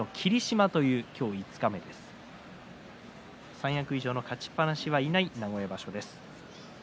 三役以上の勝ちっぱなしはいない名古屋場所です。